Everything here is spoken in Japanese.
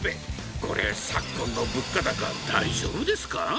これ、昨今の物価高、大丈夫ですか？